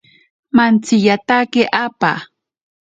Mantsiyatake apaa.